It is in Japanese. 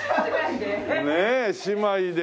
ねえ姉妹で。